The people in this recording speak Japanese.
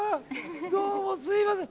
どうもすみません。